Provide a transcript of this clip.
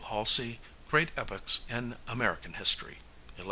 Halsey, Great Epochs in American History (11 vols.).